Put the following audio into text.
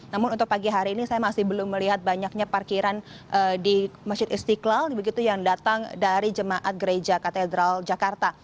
namun untuk pagi hari ini saya masih belum melihat banyaknya parkiran di masjid istiqlal begitu yang datang dari jemaat gereja katedral jakarta